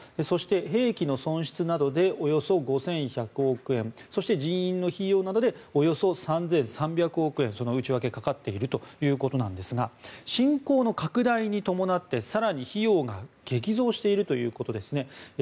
そして、兵器の損失などでおよそ５１００億円そして人員の費用などでおよそ３３００億円その内訳かかっているということですが侵攻の拡大に伴って更に費用が激増しているということですね。